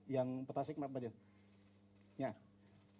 yang petasik enggak usah